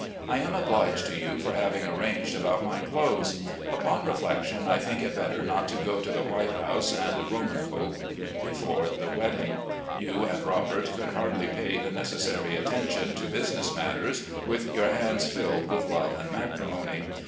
I am obliged to you for having arranged about my clothes. Upon reflection, I think it better not to go to the White House and Roman 286 RECOLLECTIONS OP GENERAL LEE coke before the wedding. You and Robert could hardly pay the necessary attention to business matters with your hands filled with love and matrimony.